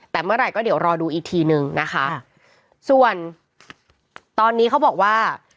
แต่เมื่อไหร่ก็เดี๋ยวรอดูอีกทีนึงนะคะส่วนตอนนี้เขาบอกว่า